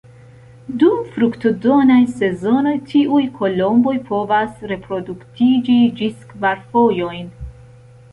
Dum fruktodonaj sezonoj tiuj kolomboj povas reproduktiĝi ĝis kvar fojojn.